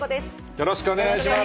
よろしくお願いします。